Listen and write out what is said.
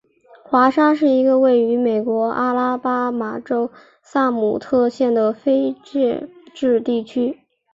华沙是一个位于美国阿拉巴马州萨姆特县的非建制地区。